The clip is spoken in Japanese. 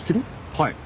はい。